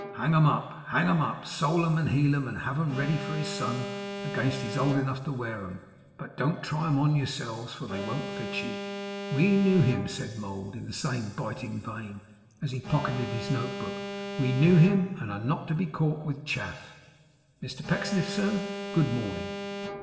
'Hang 'em up, hang 'em up; sole 'em and heel 'em, and have 'em ready for his son against he's old enough to wear 'em; but don't try 'em on yourselves, for they won't fit you. We knew him,' said Mould, in the same biting vein, as he pocketed his note book; 'we knew him, and are not to be caught with chaff. Mr Pecksniff, sir, good morning.